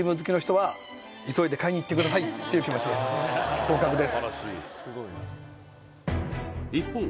合格です